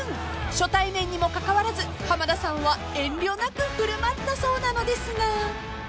［初対面にもかかわらず浜田さんは遠慮なく振る舞ったそうなのですが］